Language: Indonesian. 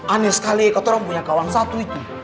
aneh sekali katanya punya kawan satu itu